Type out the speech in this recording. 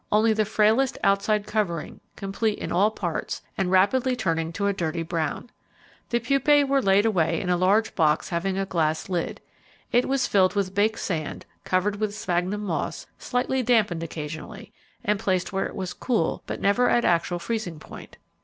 Only the frailest outside covering, complete in all parts, and rapidly turning to a dirty brown. The pupae were laid away in a large box having a glass lid. It was filled with baked sand, covered with sphagnum moss, slightly dampened occasionally, and placed where it was cool, but never at actual freezing point.